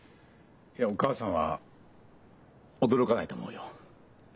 いやお母さんは驚かないと思うよ。